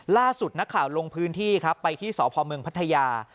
ล่าสุดนักข่าวลงพื้นที่ครับไปที่สพเมืองพัทยา